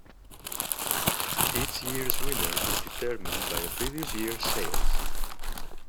Each year's winner is determined by the previous year's sales.